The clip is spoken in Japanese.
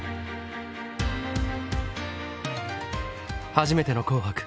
初めての「紅白」。